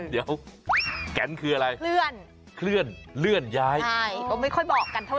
หยิบ